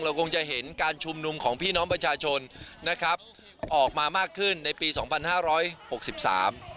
คงจะเห็นการชุมนุมของพี่น้องประชาชนนะครับออกมามากขึ้นในปีสองพันห้าร้อยหกสิบสาม